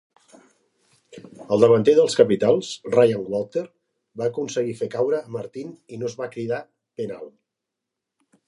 El davanter dels Capitals, Ryan Walter, va aconseguir fer caure a Martin i no es va cridar penal.